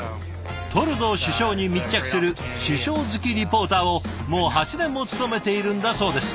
トルドー首相に密着する首相付きリポーターをもう８年も務めているんだそうです。